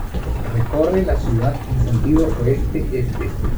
Recorre la ciudad en sentido oeste-este.